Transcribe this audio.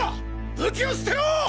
武器を捨てろ！！